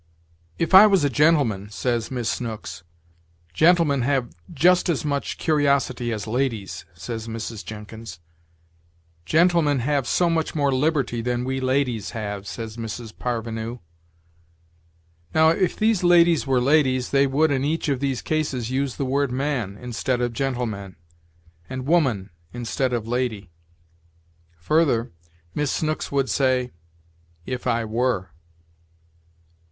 "If I was a gentleman," says Miss Snooks. "Gentlemen have just as much curiosity as ladies," says Mrs. Jenkins. "Gentlemen have so much more liberty than we ladies have," says Mrs. Parvenue. Now, if these ladies were ladies, they would in each of these cases use the word man instead of gentleman, and woman instead of lady; further, Miss Snooks would say, "If I were."